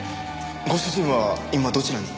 ご主人は今どちらに？